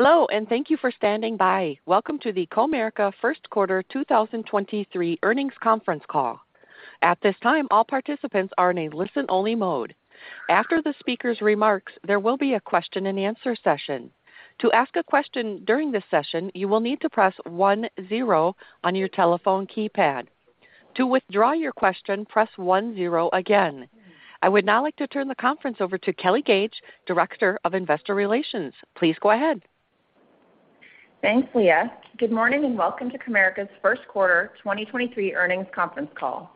Hello, and thank you for standing by. Welcome to the Comerica first quarter 2023 earnings conference call. At this time, all participants are in a listen-only mode. After the speaker's remarks, there will be a question-and-answer session. To ask a question during this session, you will need to press one, zero on your telephone keypad. To withdraw your question, press one, zero again. I would now like to turn the conference over to Kelly Gage, Director of Investor Relations. Please go ahead. Thanks, Leah. Good morning and welcome to Comerica's first quarter 2023 earnings conference call.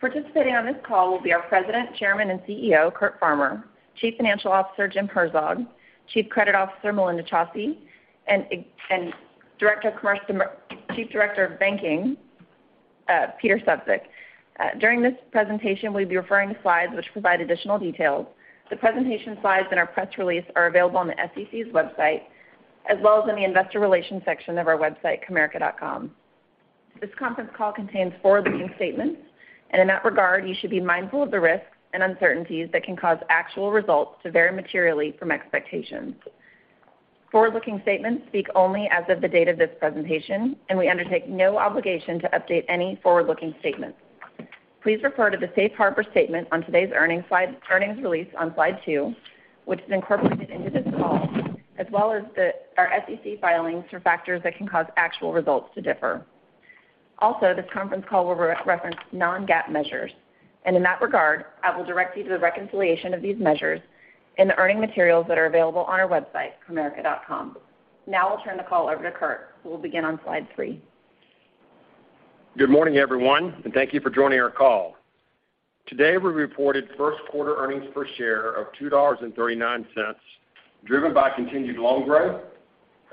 Participating on this call will be our President, Chairman, and CEO, Curtis Farmer; Chief Financial Officer, Jim Herzog; Chief Credit Officer, Melinda Chausse; and Chief Director of Banking, Peter Sefzik. During this presentation, we'll be referring to slides which provide additional details. The presentation slides in our press release are available on the SEC's website, as well as in the investor relations section of our website, comerica.com. This conference call contains forward-looking statements, and in that regard, you should be mindful of the risks and uncertainties that can cause actual results to vary materially from expectations. Forward-looking statements speak only as of the date of this presentation, and we undertake no obligation to update any forward-looking statements. Please refer to the Safe Harbor statement on today's earnings release on Slide 2, which is incorporated into this call, as well as our SEC filings for factors that can cause actual results to differ. This conference call will re-reference non-GAAP measures, and in that regard, I will direct you to the reconciliation of these measures in the earning materials that are available on our website, comerica.com. Now I'll turn the call over to Curt, who will begin on Slide 3. Good morning, everyone. Thank you for joining our call. Today, we reported first quarter earnings per share of $2.39, driven by continued loan growth,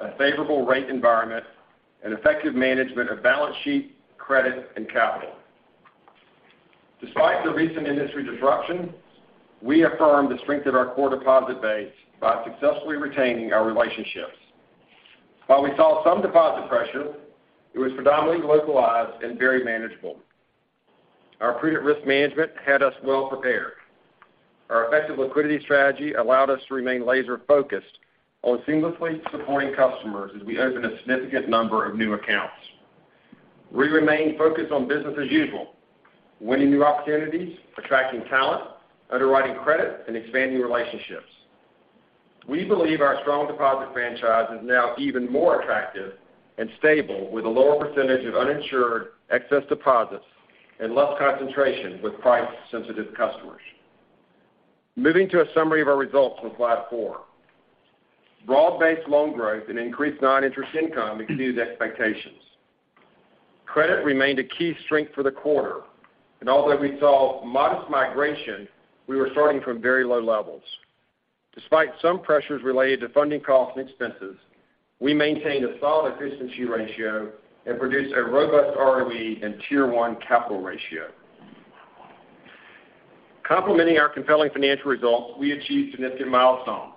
a favorable rate environment, and effective management of balance sheet, credit, and capital. Despite the recent industry disruption, we affirmed the strength of our core deposit base by successfully retaining our relationships. While we saw some deposit pressure, it was predominantly localized and very manageable. Our credit risk management had us well prepared. Our effective liquidity strategy allowed us to remain laser-focused on seamlessly supporting customers as we opened a significant number of new accounts. We remain focused on business as usual, winning new opportunities, attracting talent, underwriting credit, and expanding relationships. We believe our strong deposit franchise is now even more attractive and stable with a lower percentage of uninsured excess deposits and less concentration with price-sensitive customers. Moving to a summary of our results on Slide 4. Broad-based loan growth and increased non-interest income exceeded expectations. Credit remained a key strength for the quarter, and although we saw modest migration, we were starting from very low levels. Despite some pressures related to funding costs and expenses, we maintained a solid efficiency ratio and produced a robust ROE and Tier 1 capital ratio. Complementing our compelling financial results, we achieved significant milestones,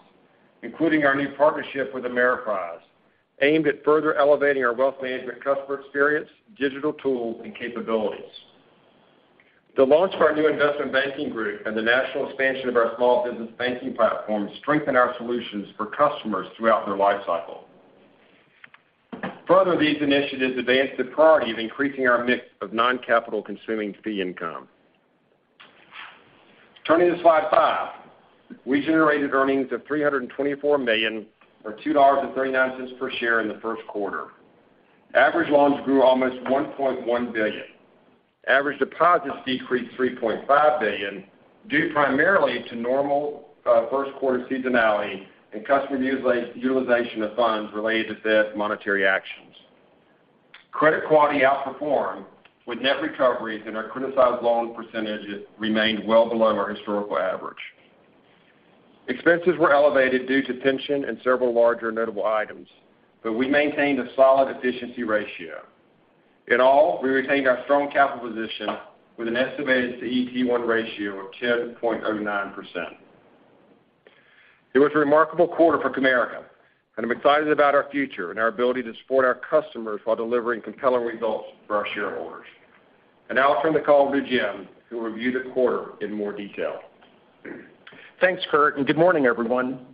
including our new partnership with Ameriprise, aimed at further elevating our wealth management customer experience, digital tools, and capabilities. The launch of our new investment banking group and the national expansion of our small business banking platform strengthen our solutions for customers throughout their lifecycle. Further, these initiatives advanced the priority of increasing our mix of non-capital consuming fee income. Turning to Slide 5. We generated earnings of $324 million or $2.39 per share in the first quarter. Average loans grew almost $1.1 billion. Average deposits decreased $3.5 billion, due primarily to normal, first quarter seasonality and customer utilization of funds related to Fed's monetary actions. Credit quality outperformed with net recoveries and our criticized loan % remained well below our historical average. Expenses were elevated due to pension and several larger notable items, but we maintained a solid efficiency ratio. In all, we retained our strong capital position with an estimated CET1 ratio of 10.09%. It was a remarkable quarter for Comerica, and I'm excited about our future and our ability to support our customers while delivering compelling results for our shareholders. Now I'll turn the call to Jim, who will review the quarter in more detail. Thanks, Curt, Good morning, everyone.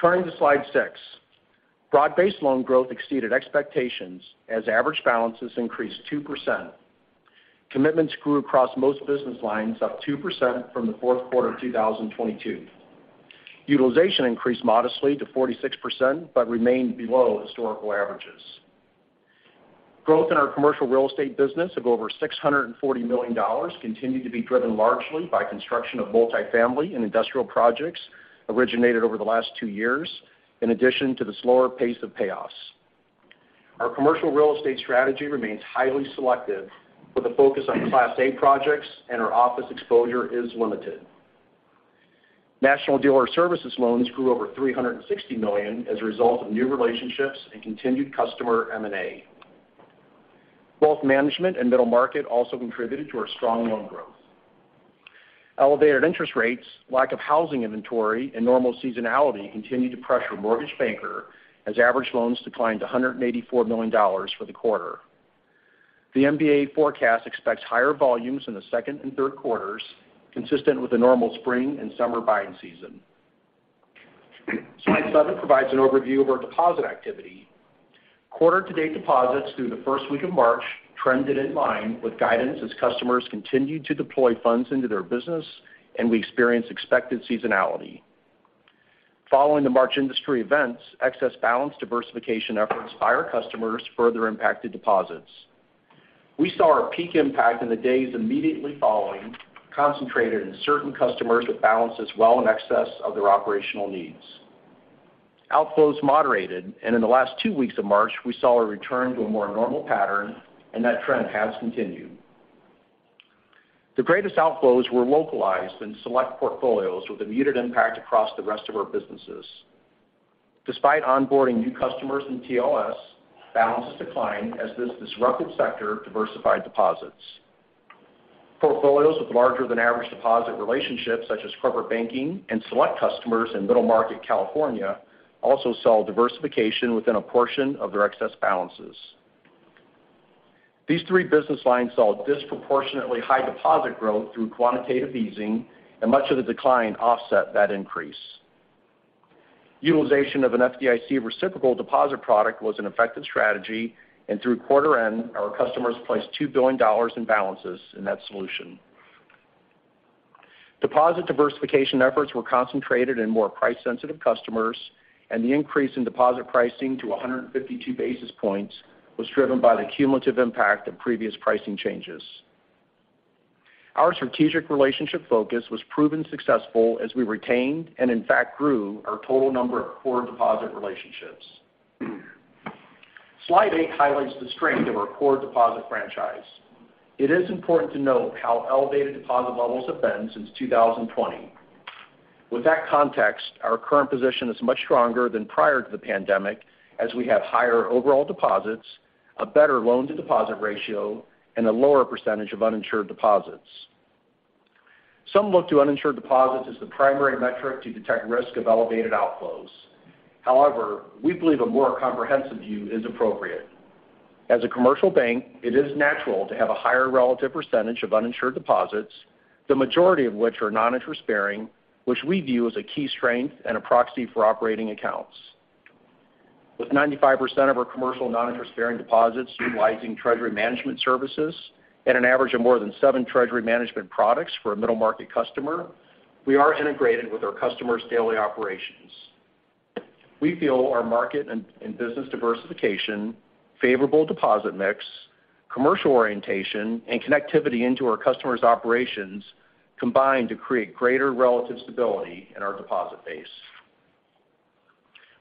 Turning to Slide 6. Broad-based loan growth exceeded expectations as average balances increased 2%. Commitments grew across most business lines, up 2% from the fourth quarter of 2022. Utilization increased modestly to 46% but remained below historical averages. Growth in our commercial real estate business of over $640 million continued to be driven largely by construction of multifamily and industrial projects originated over the last two years, in addition to the slower pace of payoffs. Our commercial real estate strategy remains highly selective with a focus on Class A projects and our office exposure is limited. National Dealer Services loans grew over $360 million as a result of new relationships and continued customer M&A. Wealth management and middle market also contributed to our strong loan growth. Elevated interest rates, lack of housing inventory, and normal seasonality continued to pressure mortgage banker as average loans declined to $184 million for the quarter. The MBA forecast expects higher volumes in the second and third quarters, consistent with the normal spring and summer buying season. Slide 7 provides an overview of our deposit activity. Quarter to date deposits through the first week of March trended in line with guidance as customers continued to deploy funds into their business and we experienced expected seasonality. Following the March industry events, excess balance diversification efforts by our customers further impacted deposits. We saw our peak impact in the days immediately following, concentrated in certain customers with balances well in excess of their operational needs. Outflows moderated, and in the last two weeks of March, we saw a return to a more normal pattern, and that trend has continued. The greatest outflows were localized in select portfolios with a muted impact across the rest of our businesses. Despite onboarding new customers in TLS, balances declined as this disruptive sector diversified deposits. Portfolios with larger than average deposit relationships such as corporate banking and select customers in middle market California also saw diversification within a portion of their excess balances. These three business lines saw disproportionately high deposit growth through quantitative easing, and much of the decline offset that increase. Utilization of an FDIC reciprocal deposit product was an effective strategy, and through quarter end, our customers placed $2 billion in balances in that solution. Deposit diversification efforts were concentrated in more price-sensitive customers, and the increase in deposit pricing to 152 basis points was driven by the cumulative impact of previous pricing changes. Our strategic relationship focus was proven successful as we retained and in fact grew our total number of core deposit relationships. Slide 8 highlights the strength of our core deposit franchise. It is important to note how elevated deposit levels have been since 2020. With that context, our current position is much stronger than prior to the pandemic, as we have higher overall deposits, a better loan to deposit ratio, and a lower percentage of uninsured deposits. Some look to uninsured deposits as the primary metric to detect risk of elevated outflows. We believe a more comprehensive view is appropriate. As a commercial bank, it is natural to have a higher relative percentage of uninsured deposits, the majority of which are non-interest bearing, which we view as a key strength and a proxy for operating accounts. With 95% of our commercial non-interest bearing deposits utilizing Treasury Management Services at an average of more than seven Treasury management products for a middle market customer, we are integrated with our customers' daily operations. We feel our market and business diversification, favorable deposit mix, commercial orientation, and connectivity into our customers' operations combine to create greater relative stability in our deposit base.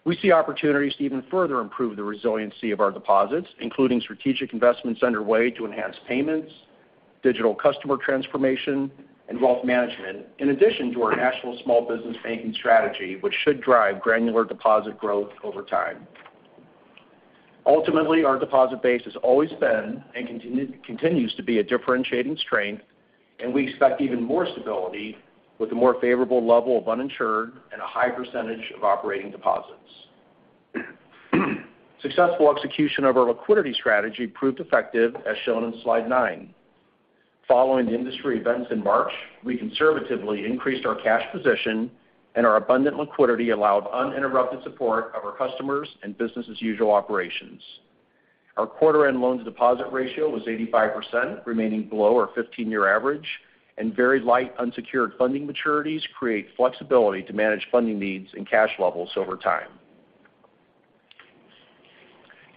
We see opportunities to even further improve the resiliency of our deposits, including strategic investments underway to enhance payments, digital customer transformation, and wealth management, in addition to our national small business banking strategy, which should drive granular deposit growth over time. Ultimately, our deposit base has always been and continues to be a differentiating strength, and we expect even more stability with a more favorable level of uninsured and a high percentage of operating deposits. Successful execution of our liquidity strategy proved effective, as shown in Slide 9. Following the industry events in March, we conservatively increased our cash position, and our abundant liquidity allowed uninterrupted support of our customers and business as usual operations. Our quarter-end loans to deposit ratio was 85%, remaining below our 15-year average, and very light unsecured funding maturities create flexibility to manage funding needs and cash levels over time.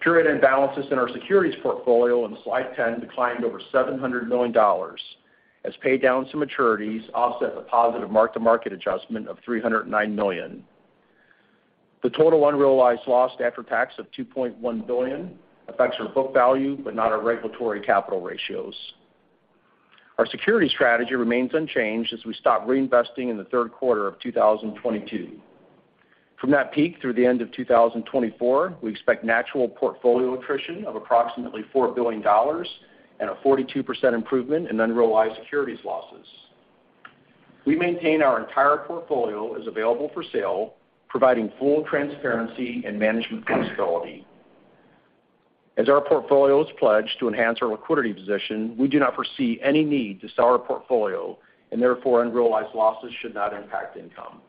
Period-end balances in our securities portfolio on Slide 10 declined over $700 million as paydowns and maturities offset the positive mark-to-market adjustment of $309 million. The total unrealized loss after tax of $2.1 billion affects our book value but not our regulatory capital ratios. Our security strategy remains unchanged as we stop reinvesting in the third quarter of 2022. From that peak through the end of 2024, we expect natural portfolio attrition of approximately $4 billion and a 42% improvement in unrealized securities losses. We maintain our entire portfolio is available for sale, providing full transparency and management flexibility. As our portfolio is pledged to enhance our liquidity position, we do not foresee any need to sell our portfolio and therefore unrealized losses should not impact income.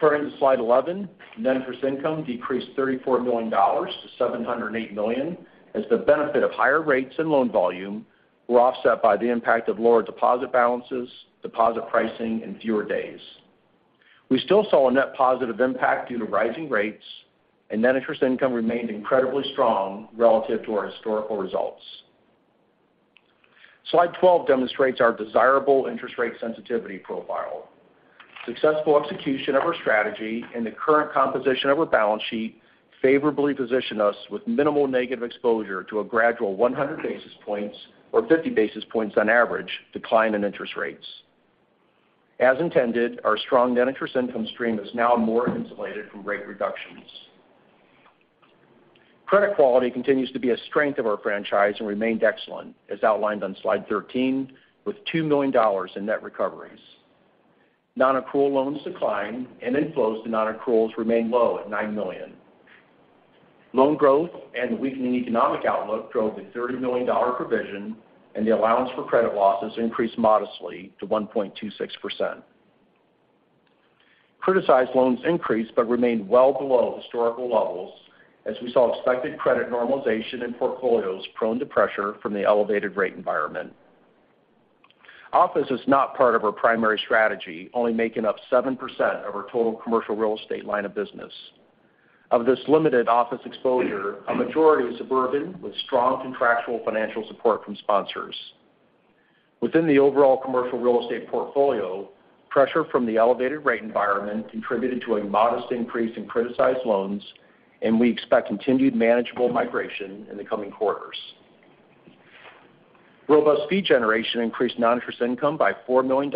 Turning to Slide 11, net interest income decreased $34 million to $708 million as the benefit of higher rates and loan volume were offset by the impact of lower deposit balances, deposit pricing, and fewer days. We still saw a net positive impact due to rising rates and net interest income remained incredibly strong relative to our historical results. Slide 12 demonstrates our desirable interest rate sensitivity profile. Successful execution of our strategy and the current composition of our balance sheet favorably position us with minimal negative exposure to a gradual 100 basis points or 50 basis points on average decline in interest rates. As intended, our strong net interest income stream is now more insulated from rate reductions. Credit quality continues to be a strength of our franchise and remained excellent, as outlined on Slide 13, with $2 million in net recoveries. Nonaccrual loans declined and inflows to nonaccruals remained low at $9 million. Loan growth and the weakening economic outlook drove a $30 million provision, and the allowance for credit losses increased modestly to 1.26%. Criticized loans increased but remained well below historical levels as we saw expected credit normalization in portfolios prone to pressure from the elevated rate environment. Office is not part of our primary strategy, only making up 7% of our total commercial real estate line of business. Of this limited office exposure, a majority was suburban with strong contractual financial support from sponsors. Within the overall commercial real estate portfolio, pressure from the elevated rate environment contributed to a modest increase in criticized loans, and we expect continued manageable migration in the coming quarters. Robust fee generation increased non-interest income by $4 million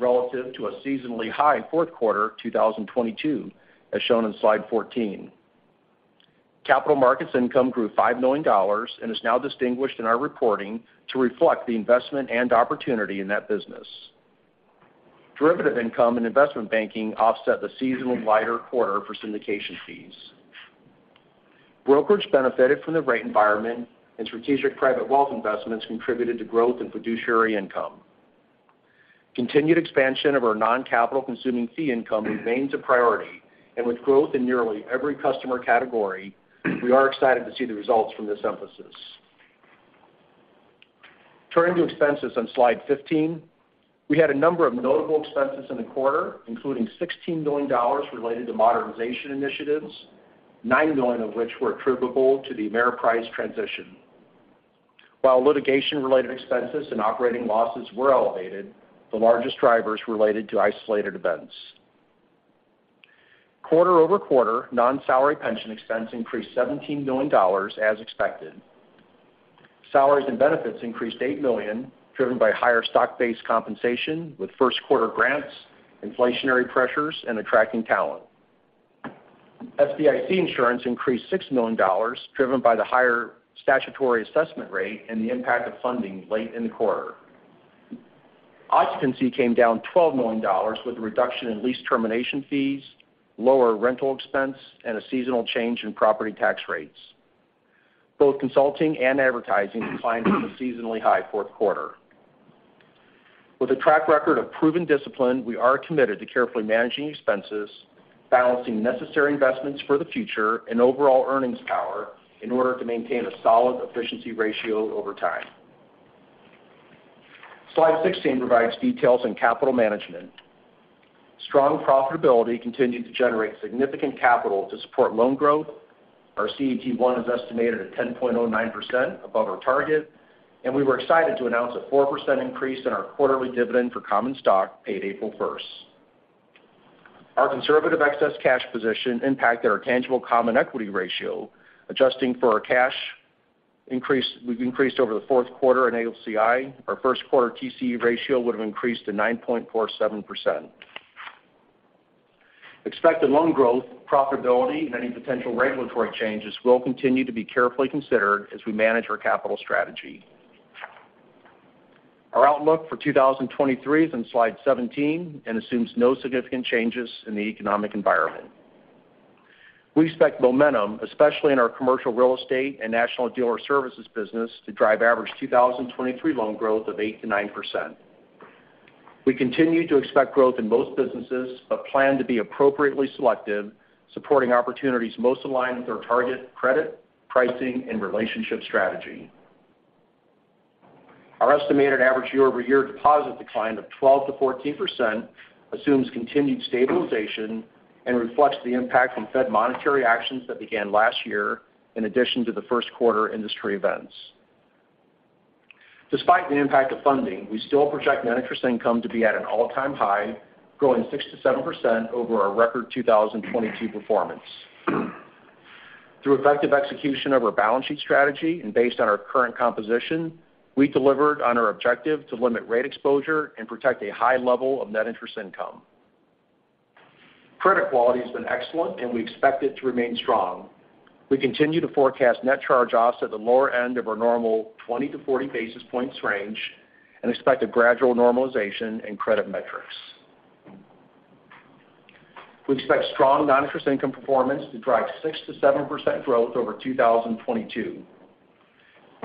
relative to a seasonally high fourth quarter 2022, as shown in Slide 14. Capital markets income grew $5 million and is now distinguished in our reporting to reflect the investment and opportunity in that business. Derivative income and investment banking offset the seasonal lighter quarter for syndication fees. Brokerage benefited from the rate environment and strategic private wealth investments contributed to growth in fiduciary income. Continued expansion of our non-capital consuming fee income remains a priority. With growth in nearly every customer category, we are excited to see the results from this emphasis. Turning to expenses on Slide 15. We had a number of notable expenses in the quarter, including $16 million related to modernization initiatives, $9 million of which were attributable to the Ameriprise transition. While litigation-related expenses and operating losses were elevated, the largest drivers related to isolated events. Quarter-over-quarter, non-salary pension expense increased $17 million as expected. Salaries and benefits increased $8 million, driven by higher stock-based compensation with first quarter grants, inflationary pressures and attracting talent. FDIC insurance increased $6 million driven by the higher statutory assessment rate and the impact of funding late in the quarter. Occupancy came down $12 million with a reduction in lease termination fees, lower rental expense, and a seasonal change in property tax rates. Both consulting and advertising declined from the seasonally high fourth quarter. With a track record of proven discipline, we are committed to carefully managing expenses, balancing necessary investments for the future and overall earnings power in order to maintain a solid efficiency ratio over time. Slide 16 provides details on capital management. Strong profitability continued to generate significant capital to support loan growth. Our CET1 is estimated at 10.09% above our target, and we were excited to announce a 4% increase in our quarterly dividend for common stock paid April 1st. Our conservative excess cash position impacted our tangible common equity ratio. Adjusting for our cash increase, we've increased over the fourth quarter in AOCI. Our first quarter TCE ratio would have increased to 9.47%. Expected loan growth, profitability and any potential regulatory changes will continue to be carefully considered as we manage our capital strategy. Our outlook for 2023 is in Slide 17 and assumes no significant changes in the economic environment. We expect momentum, especially in our commercial real estate and National Dealer Services business, to drive average 2023 loan growth of 8%-9%. We continue to expect growth in most businesses but plan to be appropriately selective, supporting opportunities most aligned with our target credit, pricing and relationship strategy. Our estimated average year-over-year deposit decline of 12%-14% assumes continued stabilization and reflects the impact from Fed monetary actions that began last year in addition to the first quarter industry events. Despite the impact of funding, we still project net interest income to be at an all-time high, growing 6%-7% over our record 2022 performance. Through effective execution of our balance sheet strategy and based on our current composition, we delivered on our objective to limit rate exposure and protect a high level of net interest income. Credit quality has been excellent and we expect it to remain strong. We continue to forecast net charge-offs at the lower end of our normal 20-40 basis points range and expect a gradual normalization in credit metrics. We expect strong non-interest income performance to drive 6%-7% growth over 2022.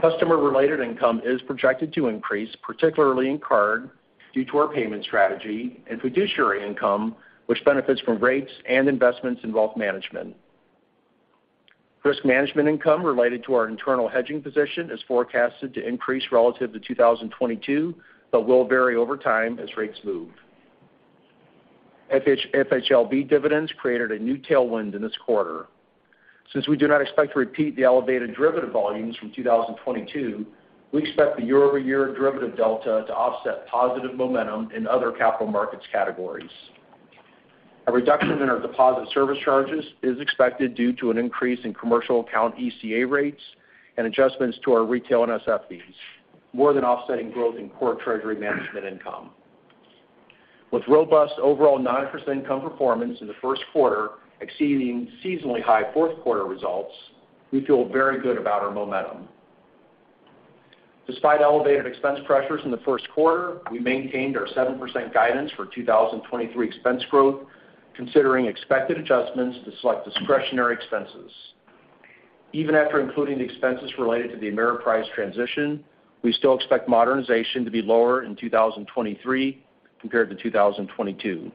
Customer-related income is projected to increase, particularly in card due to our payment strategy and fiduciary income, which benefits from rates and investments in wealth management. Risk management income related to our internal hedging position is forecasted to increase relative to 2022, but will vary over time as rates move. FHLB dividends created a new tailwind in this quarter. Since we do not expect to repeat the elevated derivative volumes from 2022, we expect the year-over-year derivative delta to offset positive momentum in other capital markets categories. A reduction in our deposit service charges is expected due to an increase in commercial account ECA rates and adjustments to our retail NSF fees, more than offsetting growth in core Treasury management income. With robust overall non-interest income performance in the first quarter exceeding seasonally high fourth quarter results, we feel very good about our momentum. Despite elevated expense pressures in the first quarter, we maintained our 7% guidance for 2023 expense growth, considering expected adjustments to select discretionary expenses. Even after including the expenses related to the Ameriprise transition, we still expect modernization to be lower in 2023 compared to 2022.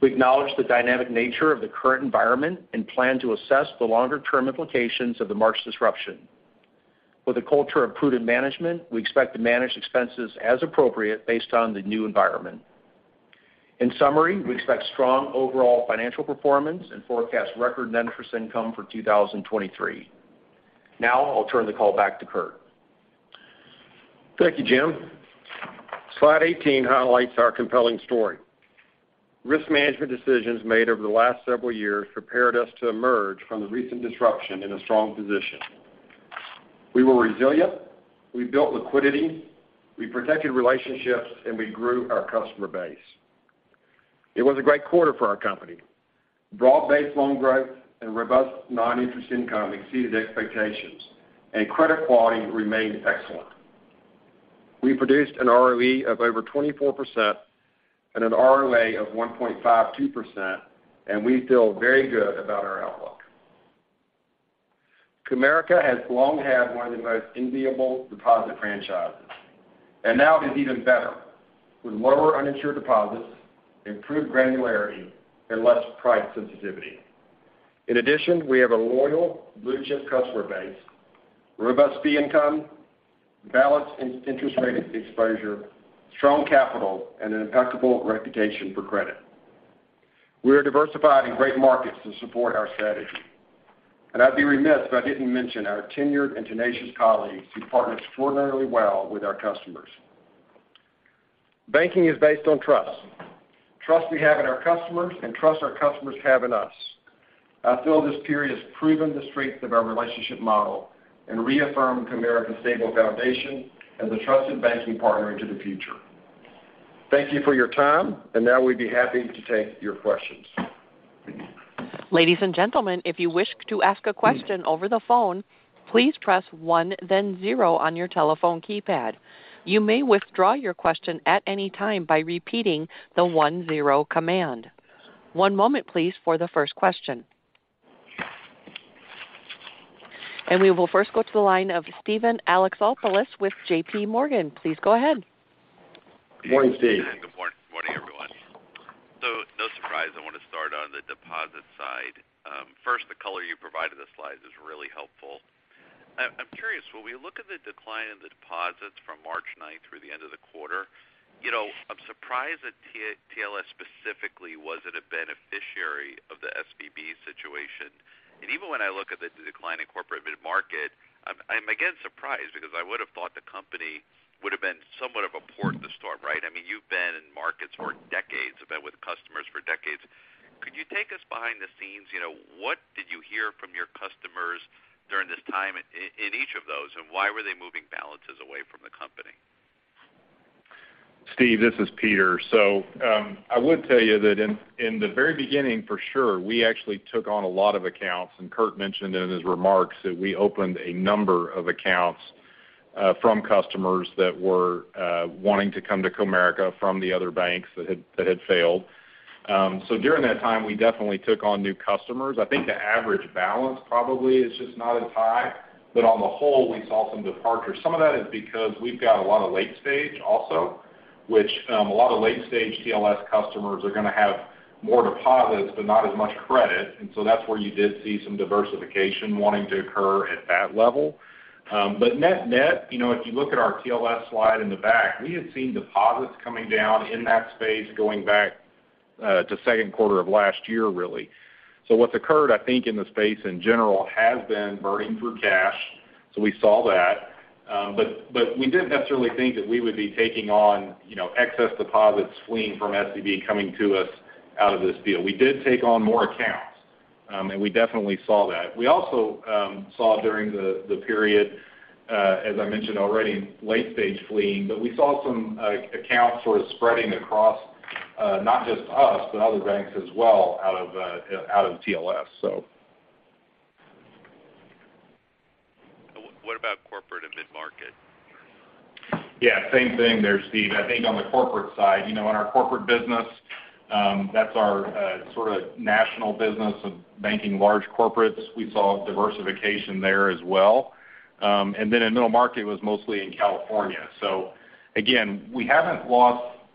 We acknowledge the dynamic nature of the current environment and plan to assess the longer term implications of the March disruption. With a culture of prudent management, we expect to manage expenses as appropriate based on the new environment. In summary, we expect strong overall financial performance and forecast record net interest income for 2023. Now, I'll turn the call back to Curt. Thank you, Jim. Slide 18 highlights our compelling story. Risk management decisions made over the last several years prepared us to emerge from the recent disruption in a strong position. We were resilient, we built liquidity, we protected relationships, and we grew our customer base. It was a great quarter for our company. Broad-based loan growth and robust non-interest income exceeded expectations. Credit quality remained excellent. We produced an ROE of over 24% and an ROA of 1.52%. We feel very good about our outlook. Comerica has long had one of the most enviable deposit franchises. Now it is even better with lower uninsured deposits, improved granularity, and less price sensitivity. In addition, we have a loyal blue chip customer base, robust fee income, balanced in-interest rate exposure, strong capital, and an impeccable reputation for credit. We are diversified in great markets to support our strategy. I'd be remiss if I didn't mention our tenured and tenacious colleagues who partner extraordinarily well with our customers. Banking is based on trust. Trust we have in our customers and trust our customers have in us. I feel this period has proven the strength of our relationship model and reaffirmed Comerica's stable foundation as a trusted banking partner into the future. Thank you for your time, and now we'd be happy to take your questions. Ladies and gentlemen, if you wish to ask a question over the phone, please press one then zero on your telephone keypad. You may withdraw your question at any time by repeating the one zero command. One moment please for the first question. We will first go to the line of Steven Alexopoulos with JPMorgan. Please go ahead. Morning, Steve. Good morning, everyone. No surprise, I want to start on the deposit side. First, the color you provided the slides is really helpful. I'm curious, when we look at the decline in the deposits from March ninth through the end of the quarter, you know, I'm surprised that TLS specifically wasn't a beneficiary of the SVB situation. Even when I look at the decline in corporate mid-market, I'm again surprised because I would have thought the company would have been somewhat of a port in the storm, right? I mean, you've been in markets for decades. You've been with customers for decades. Could you take us behind the scenes? You know, what did you hear from your customers during this time in each of those, and why were they moving balances away from the company? Steve, this is Peter. I would tell you that in the very beginning, for sure, we actually took on a lot of accounts. Curt mentioned in his remarks that we opened a number of accounts from customers that were wanting to come to Comerica from the other banks that had failed. During that time, we definitely took on new customers. I think the average balance probably is just not as high, but on the whole, we saw some departures. Some of that is because we've got a lot of late stage also, which a lot of late stage TLS customers are gonna have more deposits, but not as much credit. That's where you did see some diversification wanting to occur at that level. But net-net, you know, if you look at our TLS slide in the back, we had seen deposits coming down in that space going back to second quarter of last year, really. What's occurred, I think, in the space in general has been burning through cash. We saw that. But we didn't necessarily think that we would be taking on, you know, excess deposits fleeing from SVB coming to us out of this deal. We did take on more accounts, and we definitely saw that. We also saw during the period, as I mentioned already, late stage fleeing, but we saw some accounts sort of spreading across not just us, but other banks as well out of out of TLS, so. What about corporate and mid-market? Same thing there, Steve. I think on the corporate side, you know, in our corporate business, that's our sorta national business of banking large corporates. We saw diversification there as well. In middle market, it was mostly in California. Again,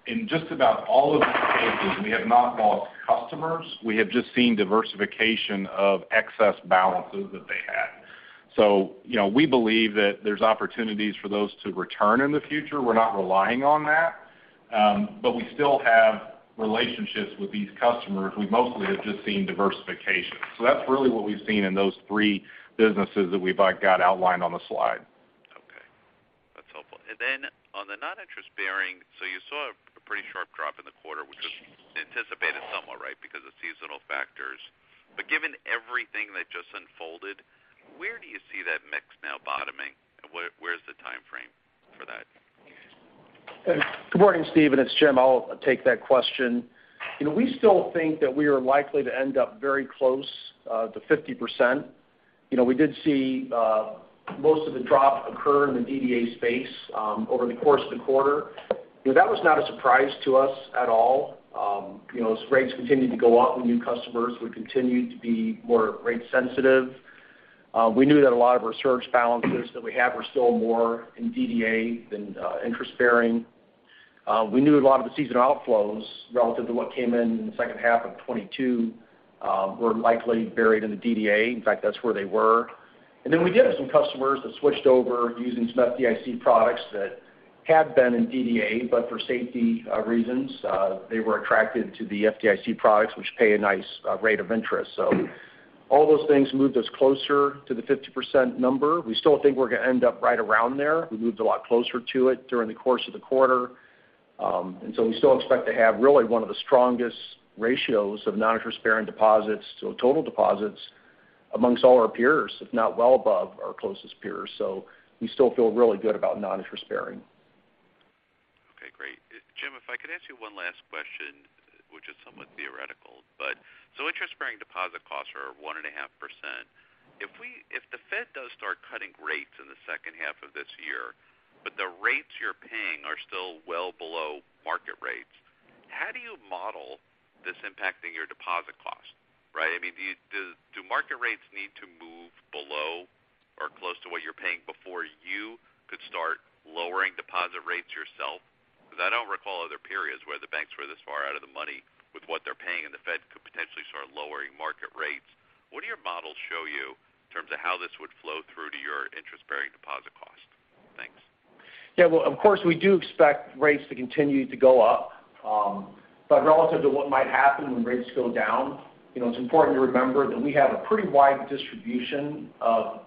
in just about all of these cases, we have not lost customers. We have just seen diversification of excess balances that they had. You know, we believe that there's opportunities for those to return in the future. We're not relying on that, we still have relationships with these customers. We mostly have just seen diversification. That's really what we've seen in those three businesses that we've got outlined on the slide. Okay. That's helpful. Then on the non-interest bearing, so you saw a pretty sharp drop in the quarter, which was anticipated somewhat, right, because of seasonal factors. Given everything that just unfolded, where do you see that mix now bottoming, and where's the timeframe? Good morning, Steve. It's Jim, I'll take that question. You know, we still think that we are likely to end up very close to 50%. You know, we did see most of the drop occur in the DDA space over the course of the quarter. You know, that was not a surprise to us at all. You know, as rates continued to go up with new customers, we continued to be more rate sensitive. We knew that a lot of our search balances that we have were still more in DDA than interest-bearing. We knew a lot of the season outflows relative to what came in in the second half of 2022 were likely buried in the DDA. In fact, that's where they were. We did have some customers that switched over using some FDIC products that had been in DDA, but for safety reasons, they were attracted to the FDIC products which pay a nice rate of interest. All those things moved us closer to the 50% number. We still think we're gonna end up right around there. We moved a lot closer to it during the course of the quarter. We still expect to have really one of the strongest ratios of non-interest-bearing deposits to total deposits amongst all our peers, if not well above our closest peers. We still feel really good about non-interest-bearing. Okay, great. Jim, if I could ask you one last question, which is somewhat theoretical. Interest-bearing deposit costs are 1.5%. If the Fed does start cutting rates in the second half of this year, but the rates you're paying are still well below market rates, how do you model this impacting your deposit cost, right? I mean, do market rates need to move below or close to what you're paying before you could start lowering deposit rates yourself? I don't recall other periods where the banks were this far out of the money with what they're paying, and the Fed could potentially start lowering market rates. What do your models show you in terms of how this would flow through to your interest-bearing deposit cost? Thanks. Well, of course, we do expect rates to continue to go up. Relative to what might happen when rates go down, you know, it's important to remember that we have a pretty wide distribution of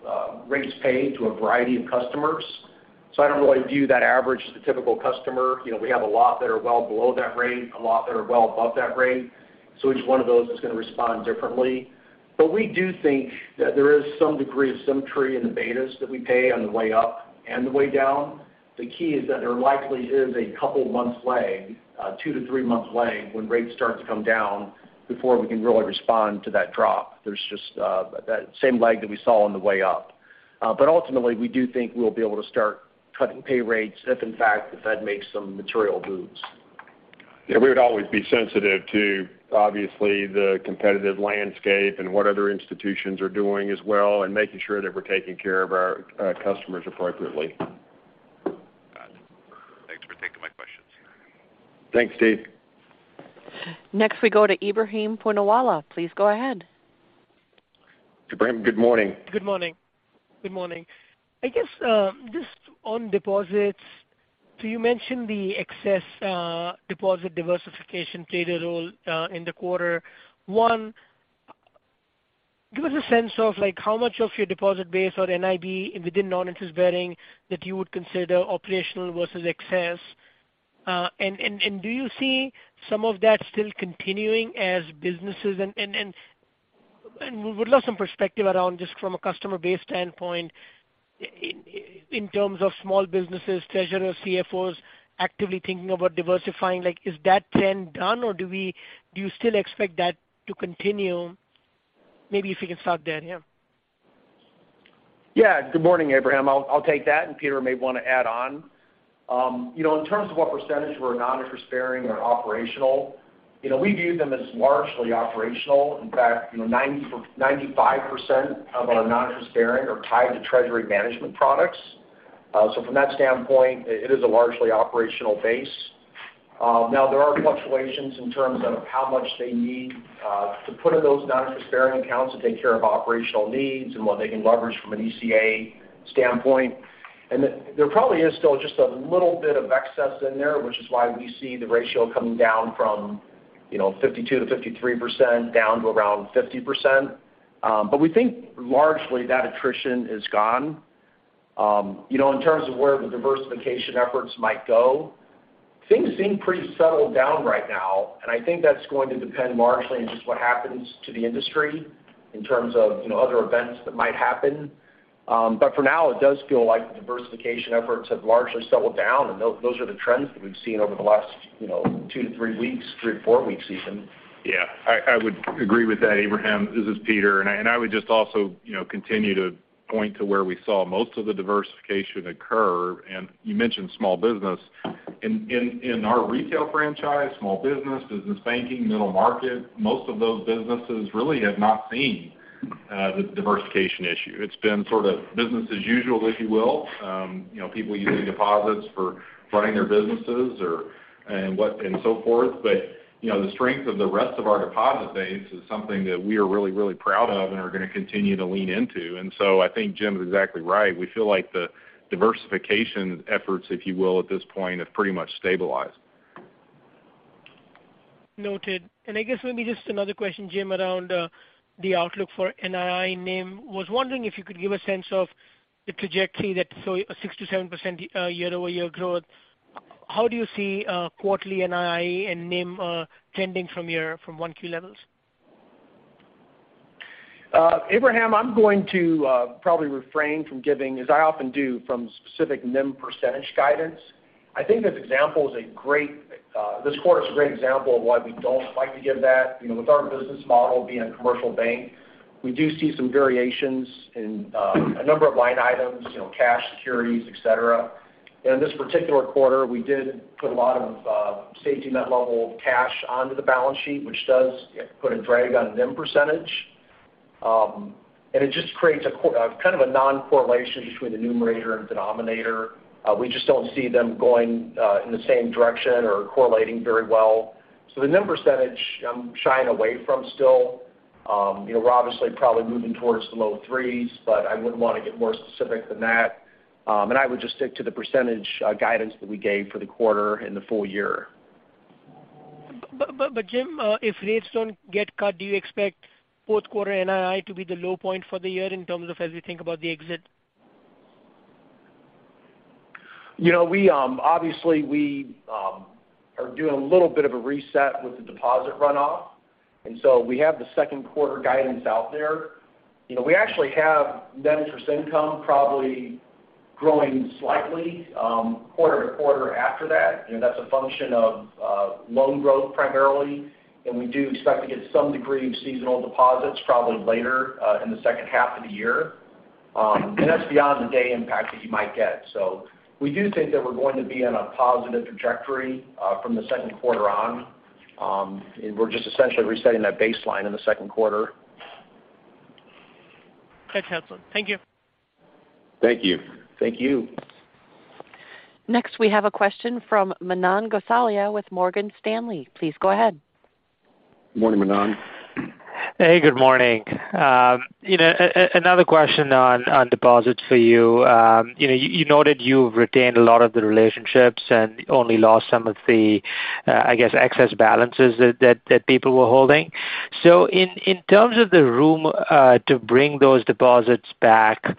rates paid to a variety of customers. I don't really view that average as the typical customer. You know, we have a lot that are well below that rate, a lot that are well above that rate. Each one of those is gonna respond differently. We do think that there is some degree of symmetry in the betas that we pay on the way up and the way down. The key is that there likely is a couple months lag, two to three months lag when rates start to come down before we can really respond to that drop. There's just that same lag that we saw on the way up. Ultimately, we do think we'll be able to start cutting pay rates if in fact the Fed makes some material moves. Yeah. We would always be sensitive to obviously the competitive landscape and what other institutions are doing as well and making sure that we're taking care of our customers appropriately. Got it. Thanks for taking my questions. Thanks, Steve. Next we go to Ebrahim Poonawala. Please go ahead. Ebrahim, Good morning. Good morning. Good morning. I guess, just on deposits, you mentioned the excess deposit diversification played a role in the quarter. One, give us a sense of like how much of your deposit base or NIB within non-interest bearing that you would consider operational versus excess. Do you see some of that still continuing as businesses and we would love some perspective around just from a customer base standpoint in terms of small businesses, treasurers, CFOs actively thinking about diversifying. Like is that trend done, or do you still expect that to continue? Maybe if you can start there. Yeah. Yeah. Good morning, Ebrahim. I'll take that, and Peter may wanna add on. you know, in terms of what percentage were non-interest bearing or operational, you know, we view them as largely operational. In fact, you know, 95% of our non-interest bearing are tied to Treasury management products. From that standpoint, it is a largely operational base. Now there are fluctuations in terms of how much they need to put in those non-interest bearing accounts to take care of operational needs and what they can leverage from an ECA standpoint. There probably is still just a little bit of excess in there, which is why we see the ratio coming down from, you know, 52%-53% down to around 50%. We think largely that attrition is gone. You know, in terms of where the diversification efforts might go, things seem pretty settled down right now, and I think that's going to depend largely on just what happens to the industry in terms of, you know, other events that might happen. For now, it does feel like the diversification efforts have largely settled down, and those are the trends that we've seen over the last, you know, two to three weeks, three to four weeks even. Yeah. I would agree with that, Ebrahim Poonawala. This is Peter Sefzik. I would just also, you know, continue to point to where we saw most of the diversification occur. You mentioned small business. In our retail franchise, small business banking, middle market, most of those businesses really have not seen the diversification issue. It's been sort of business as usual, if you will. You know, people using deposits for running their businesses or, and what, and so forth. You know, the strength of the rest of our deposit base is something that we are really, really proud of and are gonna continue to lean into. I think Jim Herzog is exactly right. We feel like the diversification efforts, if you will, at this point, have pretty much stabilized. Noted. I guess maybe just another question, Jim, around the outlook for NII NIM. Was wondering if you could give a sense of the trajectory so a 6%-7% year-over-year growth. How do you see quarterly NII and NIM trending from 1Q levels? Ebrahim, I'm going to probably refrain from giving, as I often do, from specific NIM % guidance. I think this quarter is a great example of why we don't like to give that. You know, with our business model being a commercial bank, we do see some variations in a number of line items, you know, cash securities, et cetera. In this particular quarter, we did put a lot of safety net level of cash onto the balance sheet, which does put a drag on NIM %. It just creates kind of a non-correlation between the numerator and denominator. We just don't see them going in the same direction or correlating very well. The NIM %, I'm shying away from still. You know, we're obviously probably moving towards the low threes, but I wouldn't want to get more specific than that. I would just stick to the %, guidance that we gave for the quarter and the full-year. Jim, if rates don't get cut, do you expect fourth quarter NII to be the low point for the year in terms of as we think about the exit? You know, we obviously we are doing a little bit of a reset with the deposit runoff. We have the second quarter guidance out there. You know, we actually have net interest income probably growing slightly quarter-to-quarter after that. You know, that's a function of loan growth primarily. We do expect to get some degree of seasonal deposits probably later in the second half of the year. That's beyond the day impact that you might get. We do think that we're going to be on a positive trajectory from the second quarter on. We're just essentially resetting that baseline in the second quarter. Thanks, gentlemen. Thank you. Thank you. Thank you. Next, we have a question from Manan Gosalia with Morgan Stanley. Please go ahead. Morning, Manan. Hey, Good morning. You know, another question on deposits for you. You know, you noted you've retained a lot of the relationships and only lost some of the, I guess, excess balances that people were holding. In terms of the room to bring those deposits back,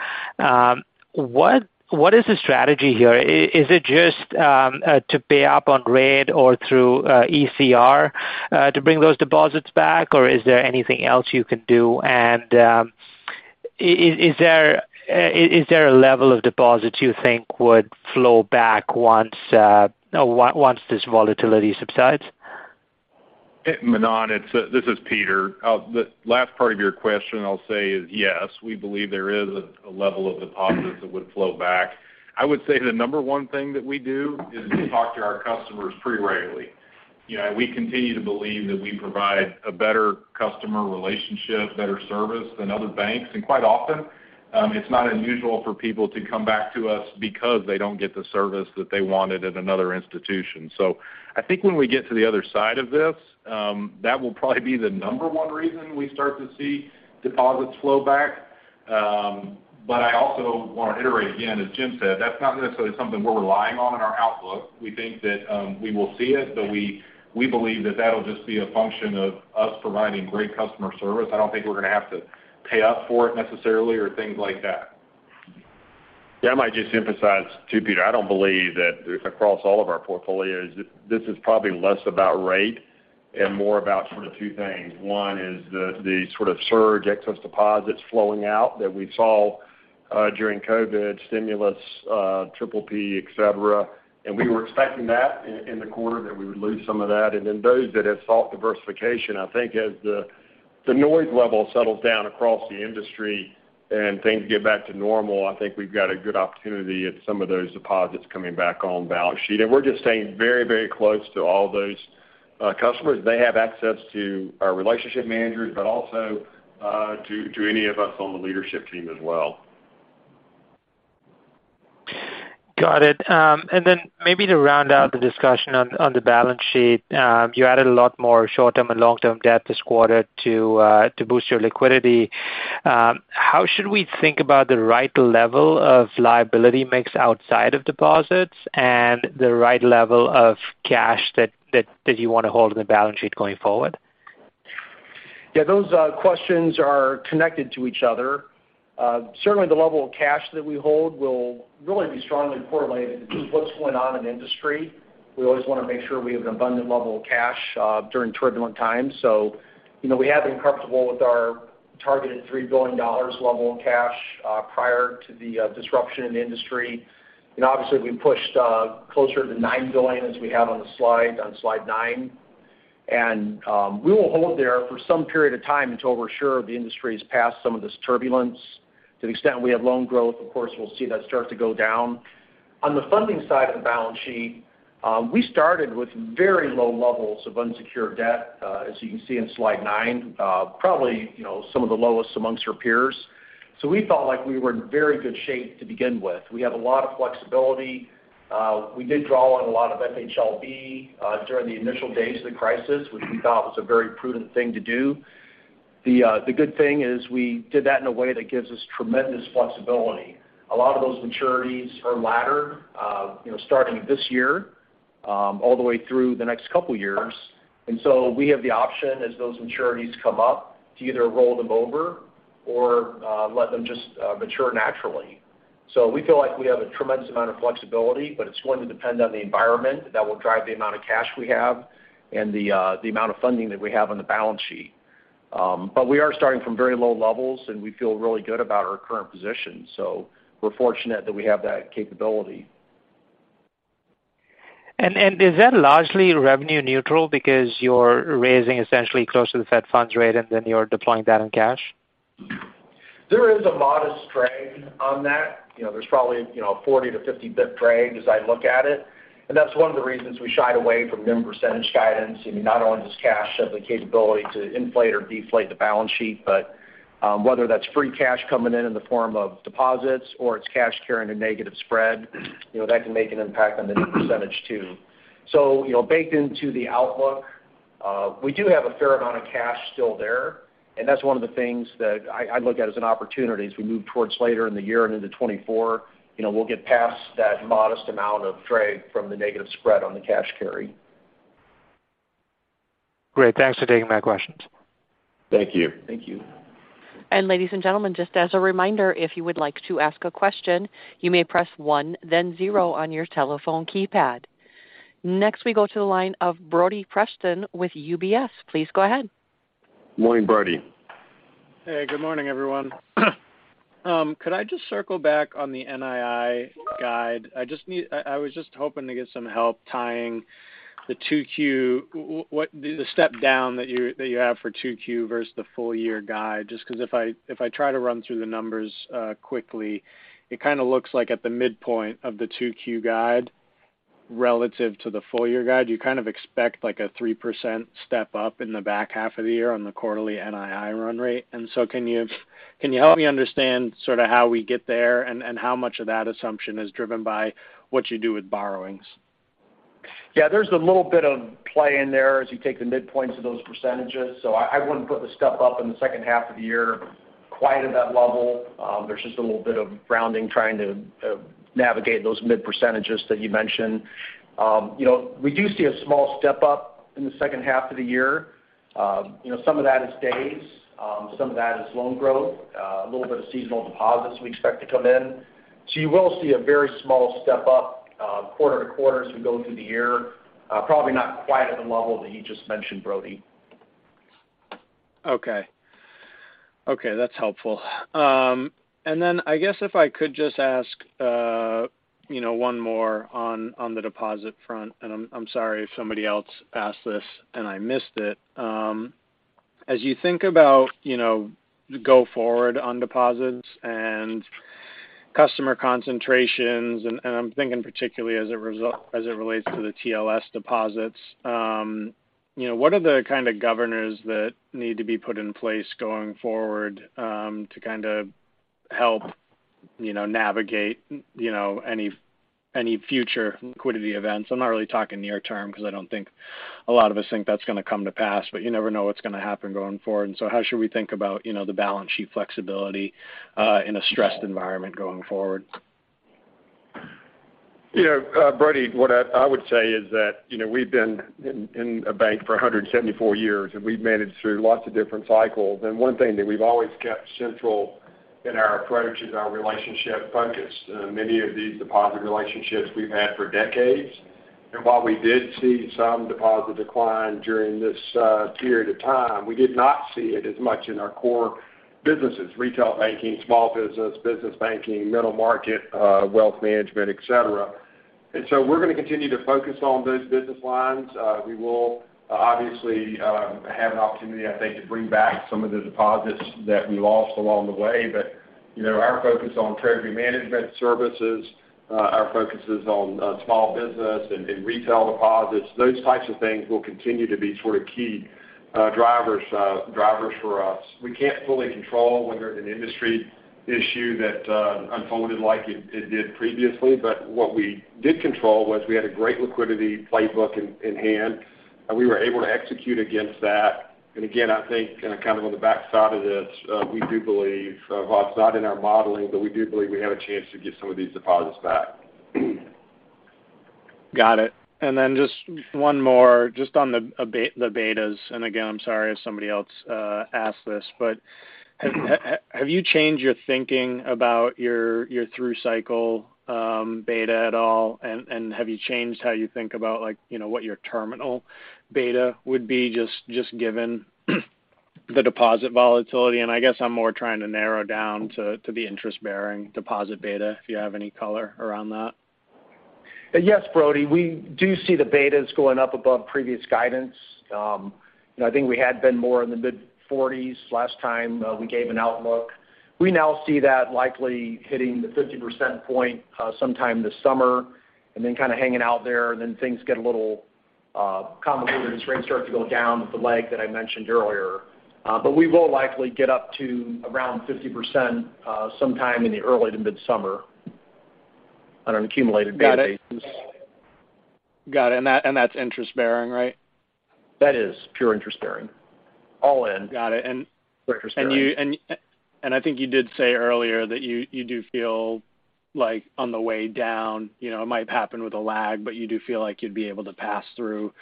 what is the strategy here? Is it just to pay up on rate or through ECR to bring those deposits back, or is there anything else you can do? Is there a level of deposits you think would flow back once this volatility subsides? Manan, this is Peter. The last part of your question, I'll say is, yes, we believe there is a level of deposits that would flow back. I would say the number one thing that we do is we talk to our customers pretty regularly. You know, we continue to believe that we provide a better customer relationship, better service than other banks. Quite often, it's not unusual for people to come back to us because they don't get the service that they wanted at another institution. I think when we get to the other side of this, that will probably be the number one reason we start to see deposits flow back. I also want to reiterate again, as Jim said, that's not necessarily something we're relying on in our outlook. We think that, we will see it, but we believe that that'll just be a function of us providing great customer service. I don't think we're going to have to pay up for it necessarily or things like that. Yeah, I might just emphasize too, Peter, I don't believe that across all of our portfolios, this is probably less about rate and more about sort of two things. One is the sort of surge excess deposits flowing out that we saw during COVID, stimulus, triple P, et cetera. We were expecting that in the quarter that we would lose some of that. Then those that have sought diversification, I think as the noise level settles down across the industry and things get back to normal, I think we've got a good opportunity at some of those deposits coming back on balance sheet. We're just staying very, very close to all those customers. They have access to our relationship managers, but also to any of us on the leadership team as well. Got it. Maybe to round out the discussion on the balance sheet, you added a lot more short-term and long-term debt this quarter to boost your liquidity. How should we think about the right level of liability mix outside of deposits and the right level of cash that you want to hold in the balance sheet going forward? Yeah, those questions are connected to each other. Certainly the level of cash that we hold will really be strongly correlated to what's going on in the industry. We always want to make sure we have an abundant level of cash during turbulent times. You know, we have been comfortable with our targeted $3 billion level in cash prior to the disruption in the industry. You know, obviously, we pushed closer to $9 billion as we have on the slide, on Slide 9. We will hold there for some period of time until we're sure the industry is past some of this turbulence. To the extent we have loan growth, of course, we'll see that start to go down. On the funding side of the balance sheet, we started with very low levels of unsecured debt, as you can see in Slide 9, probably, you know, some of the lowest amongst our peers. We felt like we were in very good shape to begin with. We have a lot of flexibility. We did draw on a lot of FHLB during the initial days of the crisis, which we thought was a very prudent thing to do. The good thing is we did that in a way that gives us tremendous flexibility. A lot of those maturities are laddered, you know, starting this year, all the way through the next couple of years. We have the option as those maturities come up to either roll them over or let them just mature naturally. We feel like we have a tremendous amount of flexibility, but it's going to depend on the environment that will drive the amount of cash we have and the amount of funding that we have on the balance sheet. We are starting from very low levels, and we feel really good about our current position. We're fortunate that we have that capability. Is that largely revenue neutral because you're raising essentially close to the Fed funds rate and then you're deploying that in cash? There is a modest trade on that. You know, there's probably, you know, a 40 to 50-bit trade as I look at it. That's one of the reasons we shied away from net percentage guidance. I mean, not only does cash have the capability to inflate or deflate the balance sheet, but whether that's free cash coming in in the form of deposits or it's cash carrying a negative spread, you know, that can make an impact on net percentage too. You know, baked into the outlook, we do have a fair amount of cash still there, and that's one of the things that I look at as an opportunity as we move towards later in the year and into 2024. You know, we'll get past that modest amount of trade from the negative spread on the cash carry. Great. Thanks for taking my questions. Thank you. Thank you. Ladies and gentlemen, just as a reminder, if you would like to ask a question, you may press one then zero on your telephone keypad. Next, we go to the line of Brody Preston with UBS. Please go ahead. Morning, Brody. Hey, Good morning, everyone. Could I just circle back on the NII guide? I was just hoping to get some help tying the 2Q, what the step down that you, that you have for 2Q versus the full-year guide, just because if I, if I try to run through the numbers quickly, it kind of looks like at the midpoint of the 2Q guide relative to the full-year guide, you kind of expect like a 3% step up in the back half of the year on the quarterly NII run rate. Can you, can you help me understand sort of how we get there and how much of that assumption is driven by what you do with borrowings? Yeah. There's a little bit of play in there as you take the midpoints of those percentages. I wouldn't put the step up in the second half of the year quite at that level. There's just a little bit of rounding trying to navigate those mid-percentages that you mentioned. You know, we do see a small step up in the second half of the year. You know, some of that is days, some of that is loan growth, a little bit of seasonal deposits we expect to come in. You will see a very small step up quarter to quarter as we go through the year. Probably not quite at the level that you just mentioned, Brody. Okay. Okay, that's helpful. I guess if I could just ask, you know, one more on the deposit front, and I'm sorry if somebody else asked this and I missed it. As you think about, you know, go forward on deposits and customer concentrations, and I'm thinking particularly as it relates to the TLS deposits, you know, what are the kind of governors that need to be put in place going forward, to kind of help, you know, navigate, you know, any future liquidity events? I'm not really talking near term because I don't think a lot of us think that's going to come to pass, but you never know what's going to happen going forward. How should we think about, you know, the balance sheet flexibility, in a stressed environment going forward? You know, Brody, what I would say is that, you know, we've been in a bank for 174 years, and we've managed through lots of different cycles. One thing that we've always kept central in our approach is our relationship focus. Many of these deposit relationships we've had for decades. While we did see some deposit decline during this period of time, we did not see it as much in our core businesses, retail banking, small business banking, middle market, wealth management, et cetera. We're going to continue to focus on those business lines. We will obviously have an opportunity, I think, to bring back some of the deposits that we lost along the way. You know, our focus on Treasury Management Services, our focuses on small business and retail deposits, those types of things will continue to be sort of key drivers for us. We can't fully control when there's an industry issue that unfolded like it did previously. What we did control was we had a great liquidity playbook in hand, and we were able to execute against that. Again, I think, you know, kind of on the backside of this, we do believe, while it's not in our modeling, but we do believe we have a chance to get some of these deposits back. Got it. Then just one more just on the betas. Again, I'm sorry if somebody else asked this. Have you changed your thinking about your through cycle beta at all? Have you changed how you think about like, you know, what your terminal beta would be just given the deposit volatility? I guess I'm more trying to narrow down to the interest-bearing deposit beta, if you have any color around that. Yes, Brody. We do see the betas going up above previous guidance. I think we had been more in the mid-40s last time, we gave an outlook. We now see that likely hitting the 50% point, sometime this summer and then kind of hanging out there, and then things get a little convoluted as rates start to go down with the lag that I mentioned earlier. We will likely get up to around 50%, sometime in the early to mid-summer on an accumulated beta basis. Got it. That's interest-bearing, right? That is pure interest-bearing. All in. Got it. Pure interest-bearing. I think you did say earlier that you do feel like on the way down, you know, it might happen with a lag, but you do feel like you'd be able to pass through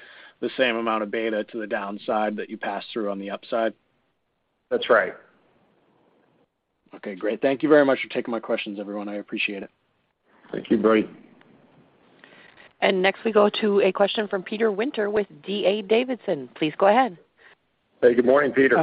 the same amount of beta to the downside that you pass through on the upside? That's right. Okay, great. Thank you very much for taking my questions, everyone. I appreciate it. Thank you, Brody. Next, we go to a question from Peter Winter with D.A. Davidson. Please go ahead. Hey, Good morning, Peter.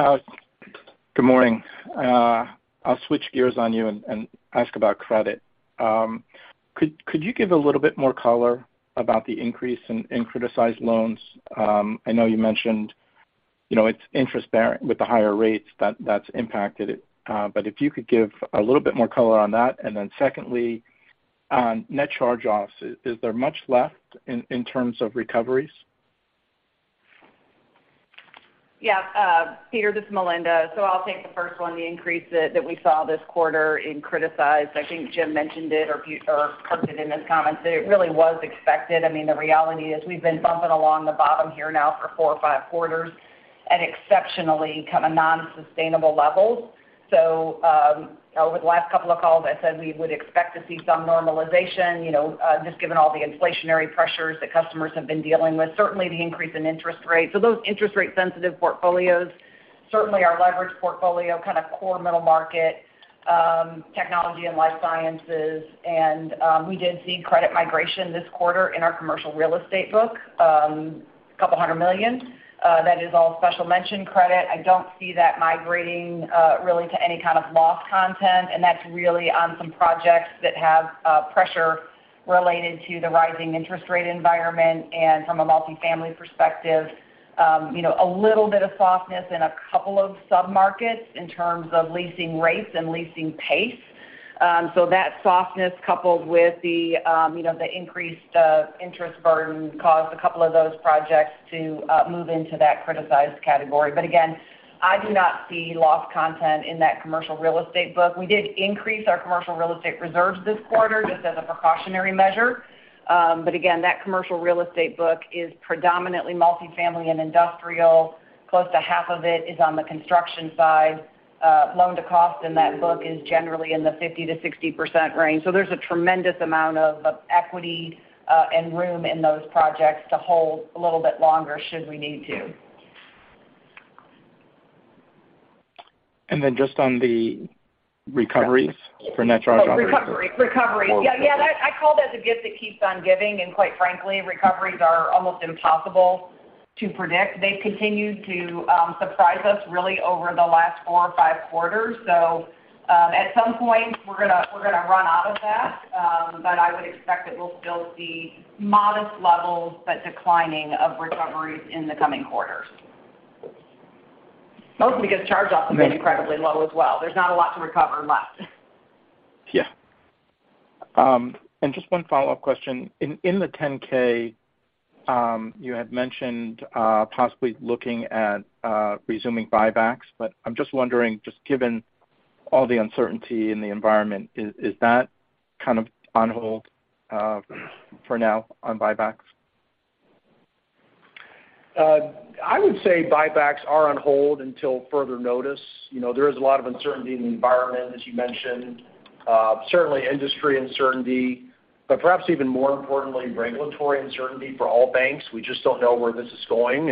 Good morning. I'll switch gears on you and ask about credit. Could you give a little bit more color about the increase in criticized loans? I know you mentioned, you know, it's interest bearing with the higher rates that's impacted it, but if you could give a little bit more color on that. Secondly, on net charge-offs, is there much left in terms of recoveries? Yeah. Peter, this is Melinda. I'll take the first one, the increase that we saw this quarter in criticized. I think Jim Herzog mentioned it or Curtis Farmer did in his comments. It really was expected. I mean, the reality is we've been bumping along the bottom here now for four or five quarters at exceptionally kind of non-sustainable levels. Over the last couple of calls, I said we would expect to see some normalization, you know, just given all the inflationary pressures that customers have been dealing with, certainly the increase in interest rates. Those interest rate sensitive portfolios, certainly our leverage portfolio, kind of core middle market, Technology and Life Sciences. We did see credit migration this quarter in our commercial real estate book, $200 million. That is all special mention credit. I don't see that migrating really to any kind of loss content. That's really on some projects that have pressure related to the rising interest rate environment and from a multifamily perspective, you know, a little bit of softness in a couple of submarkets in terms of leasing rates and leasing pace. So that softness coupled with the, you know, the increased interest burden caused a couple of those projects to move into that criticized category. Again, I do not see loss content in that commercial real estate book. We did increase our commercial real estate reserves this quarter just as a precautionary measure. Again, that commercial real estate book is predominantly multifamily and industrial. Close to half of it is on the construction side. Loan to cost in that book is generally in the 50% to 60% range. There's a tremendous amount of equity and room in those projects to hold a little bit longer should we need to. Just on the recoveries for net charge-offs. Oh, recoveries. Yeah, yeah. I call that the gift that keeps on giving, and quite frankly, recoveries are almost impossible to predict. They've continued to surprise us really over the last four or five quarters. At some point, we're gonna run out of that. I would expect that we'll still see modest levels, but declining of recoveries in the coming quarters. Mostly because charge-offs have been incredibly low as well. There's not a lot to recover left. Yeah. Just one follow-up question. In the 10-K, you had mentioned, possibly looking at, resuming buybacks. I'm just wondering, just given all the uncertainty in the environment, is that kind of on hold, for now on buybacks? I would say buybacks are on hold until further notice. You know, there is a lot of uncertainty in the environment, as you mentioned. Certainly industry uncertainty, but perhaps even more importantly, regulatory uncertainty for all banks. We just don't know where this is going.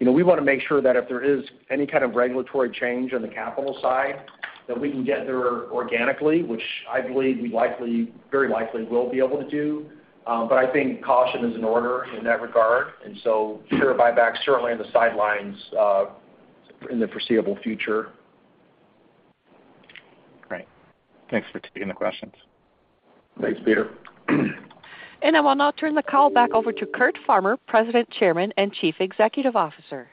You know, we wanna make sure that if there is any kind of regulatory change on the capital side, that we can get there organically, which I believe we likely, very likely will be able to do. But I think caution is in order in that regard. Share buyback certainly on the sidelines in the foreseeable future. Great. Thanks for taking the questions. Thanks, Peter. I will now turn the call back over to Curtis Farmer, President, Chairman, and Chief Executive Officer.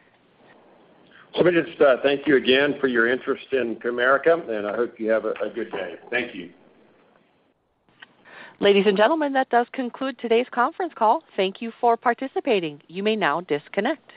Let me just thank you again for your interest in Comerica, and I hope you have a good day. Thank you. Ladies and gentlemen, that does conclude today's conference call. Thank you for participating. You may now disconnect.